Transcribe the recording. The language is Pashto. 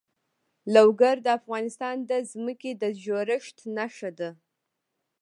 لوگر د افغانستان د ځمکې د جوړښت نښه ده.